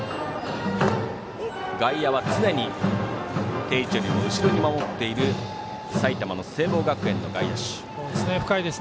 外野は常に定位置よりも後ろに守っている埼玉の聖望学園の外野手。